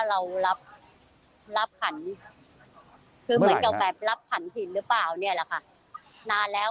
เรารับรับขันแบบรับขันผิดหรือเปล่าเนี่ยล่ะค่ะนานแล้ว